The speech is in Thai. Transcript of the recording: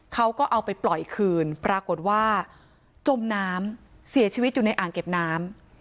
เขาก็เอาไปปล่อยคืนปรากฏว่าจมน้ำเสียชีวิตอยู่ในอ่างเก็บน้ำ